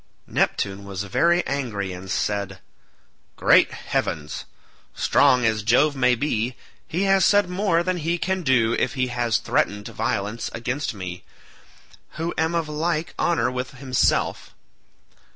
Neptune was very angry and said, "Great heavens! strong as Jove may be, he has said more than he can do if he has threatened violence against me, who am of like honour with himself.